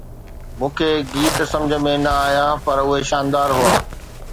مون کي گيت سمجهه ۾ نه آيا پر اهي شاندار هئا